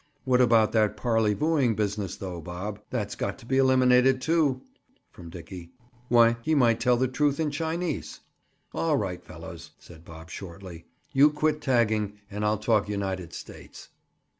What about that parleyvooing business though, Bob?" "That's got to be eliminated, too!" from Dickie. "Why, he might tell the truth in Chinese." "All right, fellows," said Bob shortly. "You quit tagging and I'll talk United States."